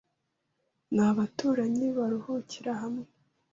nabaturanyi baruhukira hamwe